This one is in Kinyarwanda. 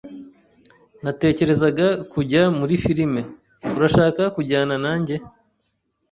Natekerezaga kujya muri firime. Urashaka kujyana nanjye?